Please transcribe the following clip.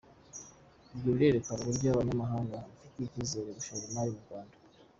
Ibyo bikerekana uburyo abanyamahanga bafitiye icyizere gushora imari mu Rwanda.